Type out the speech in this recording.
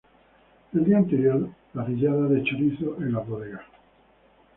El día anterior: parrillada de chorizo en las bodegas.